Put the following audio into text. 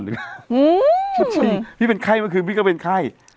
จริงดิ้งเช็ดไข้เมื่อคืนพี่พี่ก็เป็นค่าย